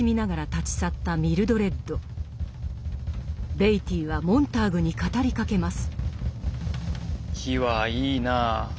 ベイティーはモンターグに語りかけます。